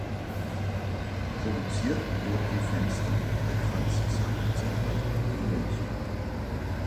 Produziert wurden die Fenster bei Franz Xaver Zettler in München.